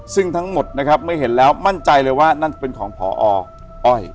ซึ่งทั้งหมดนะครับเมื่อเห็นแล้วมั่นใจเลยว่านั่นเป็นของพออ้อย